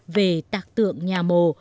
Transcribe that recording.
về tạc tượng nhà mồ